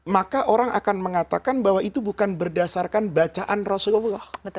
maka orang akan mengatakan bahwa itu bukan berdasarkan bacaan rasulullah